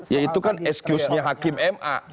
ya itu kan excuse nya hakim ma